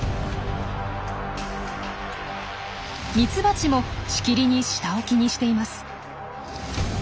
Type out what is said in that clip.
ミツバチもしきりに下を気にしています。